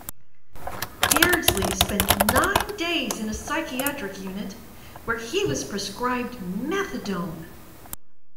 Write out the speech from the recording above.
Beardsley spent nine days in a psychiatric unit where he was prescribed methadone.